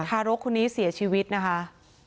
ทารกคนนี้เสียชีวิตนะคะ